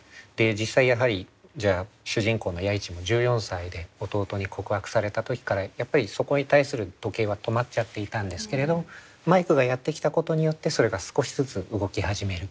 実際やはり主人公の弥一も１４歳で弟に告白された時からやっぱりそこに対する時計は止まっちゃっていたんですけれどマイクがやって来たことによってそれが少しずつ動き始める。